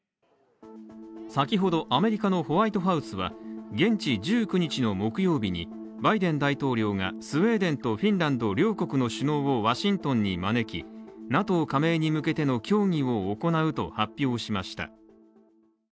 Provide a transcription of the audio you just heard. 先ほどアメリカのホワイトハウスは、現地１９日の木曜日に、バイデン大統領がスウェーデンとフィンランド両国の首脳をワシントンに招き、ＮＡＴＯ加盟に向けての協議を行うと発表しました。